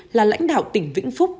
là lãnh đạo tỉnh vĩnh phúc